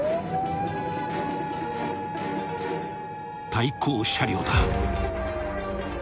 ［対向車両だ］